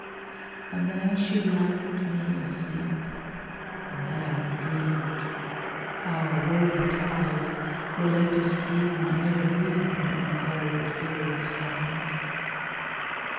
And there she lulled me asleep, And there I dreamed Ah! woe betide! The latest dream I ever dreamed On the cold hill's side.